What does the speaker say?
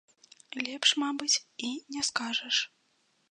Лепш, мабыць, і не скажаш.